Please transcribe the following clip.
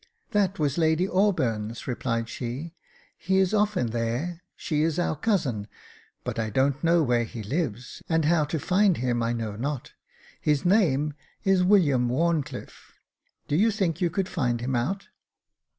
" That was Lady Auburn's," replied she; he is often there — she is our cousin ; but I don't know where he lives, and how to find him I know not. His name is William WharnclifFe. Do you think you could find him out